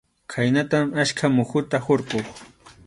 Khaynatam achka muhuta hurquq.